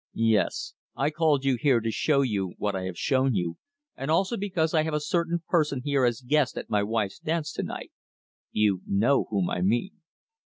"Yes. I called you here to show you what I have shown you, and also because I have a certain person here as guest at my wife's dance to night you know whom I mean."